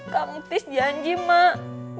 kang tis janji mak